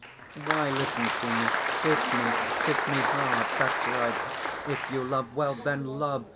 Why listen to me? Kiss me, kiss me hard, that's right. If you love, well, then, love!